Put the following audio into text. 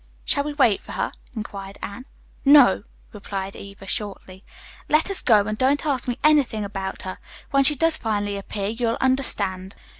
"Shall we wait for her?" inquired Anne. "No," replied Eva shortly. "Let us go, and don't ask me anything about her. When she does finally appear you'll understand."